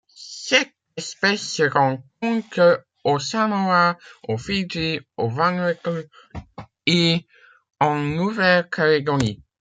Cette espèce se rencontre aux Samoa, aux Fidji, au Vanuatu et en Nouvelle-Calédonie.